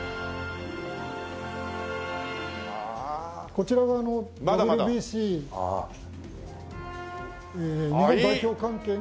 こちらがＷＢＣ日本代表関係のユニホーム。